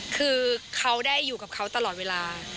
คือเขาได้อยู่กับเขาตลอดเวลา